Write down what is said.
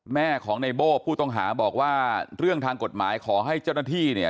แม่ของในโบ้ผู้ต้องหาบอกว่าเรื่องทางกฎหมายขอให้เจ้าหน้าที่เนี่ย